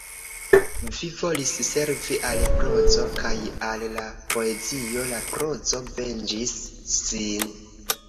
Vi volis servi al la prozo kaj al la poezio; la prozo venĝis sin.